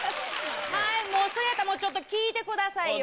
はいそやったらもうちょっと聞いてくださいよ。